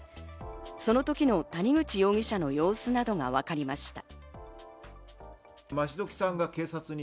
その時の谷口容疑者の様子などがわかりました。